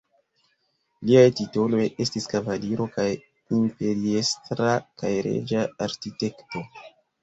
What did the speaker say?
Liaj titoloj estis kavaliro kaj imperiestra kaj reĝa arkitekto.